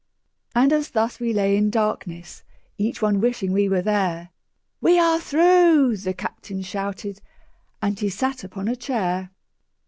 And as thus we lay in darkness, Each one wishing we were there, "We are through!" the captain shouted, And he sat upon a chair.